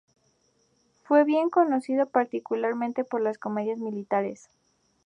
Fue bien conocido particularmente por las comedias militares.